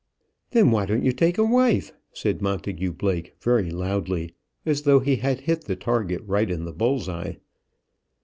"Then, why don't you take a wife?" said Montagu Blake, very loudly, as though he had hit the target right in the bull's eye.